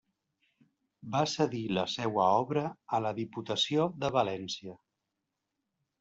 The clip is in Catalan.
Va cedir la seua obra a la Diputació de València.